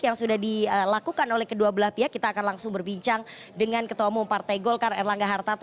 yang sudah dilakukan oleh kedua belah pihak kita akan langsung berbincang dengan ketua umum partai golkar erlangga hartarto